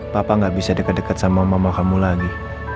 papa gak bisa deket deket sama mama kamu lagi